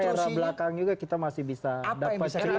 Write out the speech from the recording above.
di era belakang juga kita masih bisa dapat cek